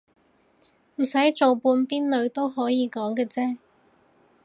唔使做半邊女都可以講嘅啫